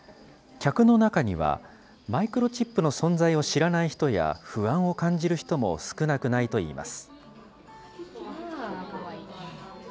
客の中には、マイクロチップの存在を知らない人や、不安を感じる人も少なくないといいます。